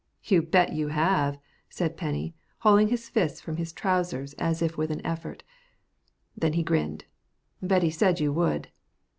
"You bet you have," said Penny, hauling his fists from his trousers as if with an effort. Then he grinned. "Betty said you would."